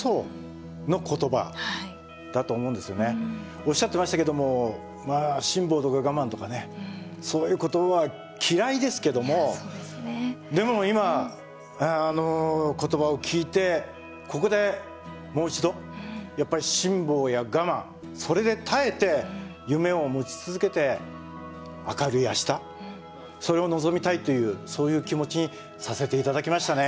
おっしゃってましたけども辛抱とか我慢とかねそういう言葉は嫌いですけどもでも今あの言葉を聞いてここでもう一度やっぱり辛抱や我慢それで耐えて夢を持ち続けて明るい明日それを望みたいというそういう気持ちにさせていただきましたね。